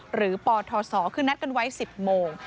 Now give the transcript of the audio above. ปทศคือนัดกันไว้๑๐โมง